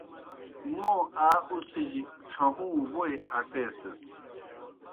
موں آ اُڅِھجیْ ڇھہُوں ووئی اٹیسِس۔